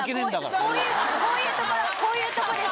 こういうところこういうとこです